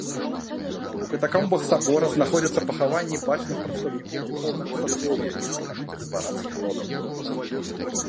У катакомбах сабора знаходзяцца пахаванні бачных прадстаўнікоў духоўнага саслоўя і знакамітых дваранскіх родаў.